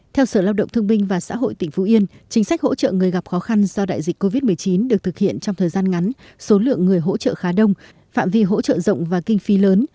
theo sở lao động thương binh và xã hội tỉnh phú yên chính sách hỗ trợ người gặp khó khăn do đại dịch covid một mươi chín được thực hiện trong thời gian ngắn số lượng người hỗ trợ khá đông phạm vi hỗ trợ rộng và kinh phí lớn